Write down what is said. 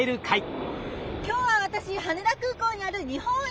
今日は私羽田空港にある日本一